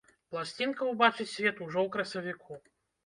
Пласцінка убачыць свет ужо ў красавіку.